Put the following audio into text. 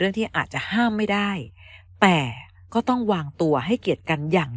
ที่อาจจะห้ามไม่ได้แต่ก็ต้องวางตัวให้เกียรติกันอย่าง